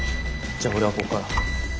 じゃあ俺はここから。